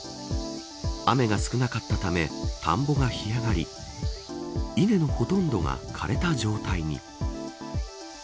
雨が少なかったため田んぼが干上がり稲のほとんどが枯れた状態に。